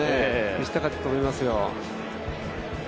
打ちたかったと思いますよ。